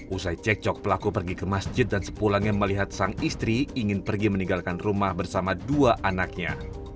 usai cek cok pelaku pergi ke masjid dan sepulangnya melihat sang istri ingin pergi meninggalkan rumah bersama dua anaknya